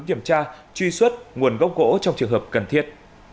kiểm tra truy xuất nguồn gốc gỗ trong trường hợp cần thiết